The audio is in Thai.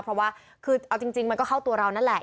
เพราะว่าคือเอาจริงมันก็เข้าตัวเรานั่นแหละ